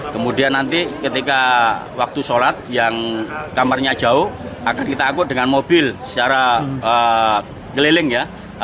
kemudian nanti ketika waktu sholat yang kamarnya jauh akan kita angkut dengan mobil secara keliling ya